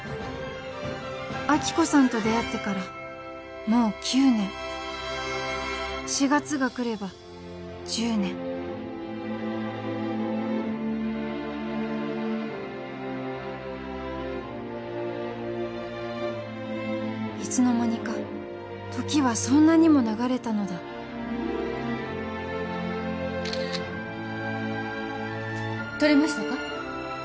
亜希子さんと出会ってからもう９年４月が来れば１０年いつの間にか時はそんなにも流れたのだ撮れましたか？